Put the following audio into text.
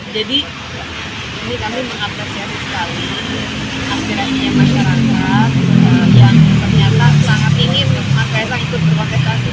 jadi ini kami mengapresiasi sekali akhiratnya masyarakat yang ternyata sangat ingin sks itu berkonteks lagi